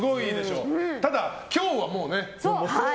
ただ、今日はもうね。